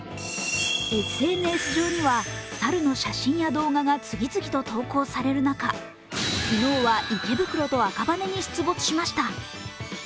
ＳＮＳ上には、猿の写真や動画が次々と投稿される中、昨日は池袋と赤羽に出没しました。